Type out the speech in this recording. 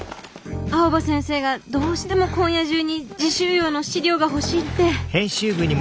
青葉先生がどうしても今夜中に磁州窯の資料が欲しいって。